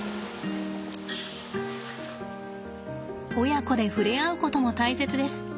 親子で触れ合うことも大切です。